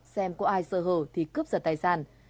xem có ai sơ hở thì cướp giật tài sản